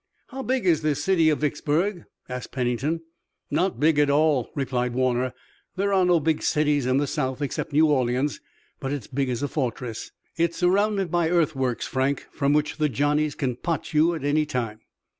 "How big is this city of Vicksburg?" asked Pennington. "Not big at all," replied Warner. "There are no big cities in the South except New Orleans, but it's big as a fortress. It's surrounded by earthworks, Frank, from which the Johnnies can pot you any time."